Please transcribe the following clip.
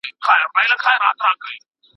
انلاين زده کړه وخت خوندي کوي.